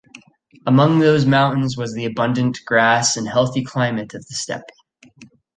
Among those mountains was the abundant grass and healthy climate of the steppe.